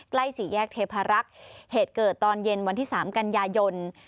สี่แยกเทพารักษ์เหตุเกิดตอนเย็นวันที่๓กันยายน